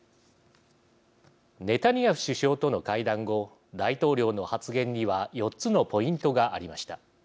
ネタニヤフ首相との会談後大統領の発言には４つのポイントがありました。